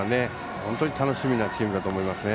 本当に楽しみなチームだと思いますね。